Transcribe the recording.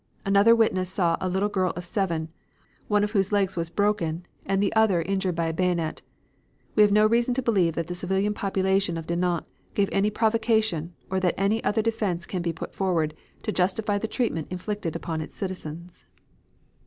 Another witness saw a little girl of seven, one of whose legs was broken and the other injured by a bayonet. We have no reason to believe that the civilian population of Dinant gave any provocation, or that any other defense can be put forward to justify the treatment inflicted upon its citizens."